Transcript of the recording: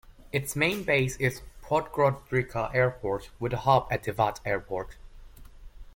Its main base is Podgorica Airport, with a hub at Tivat Airport.